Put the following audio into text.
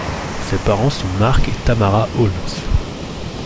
Ses parents sont Mark et Tamara Holmes.